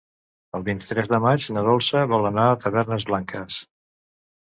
El vint-i-tres de maig na Dolça vol anar a Tavernes Blanques.